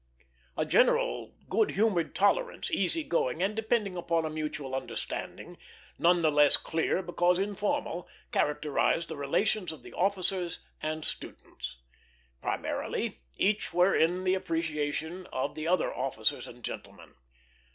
A general good humored tolerance, easy going, and depending upon a mutual understanding, none the less clear because informal, characterized the relations of the officers and students. Primarily, each were in the appreciation of the other officers and gentlemen.